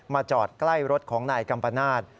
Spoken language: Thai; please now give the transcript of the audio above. จอดใกล้รถของนายกัมปนาศ